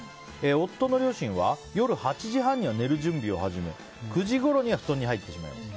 夫の両親は夜８時半には寝る準備を始め９時ごろには布団に入ってしまいます。